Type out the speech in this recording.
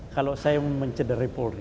kalau saya mencederai polri